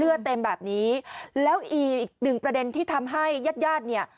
เลือดเต็มแบบนี้แล้วอีกหนึ่งประเด็นที่ทำให้ยาดเนี้ย